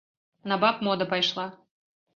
На баб мода пайшла.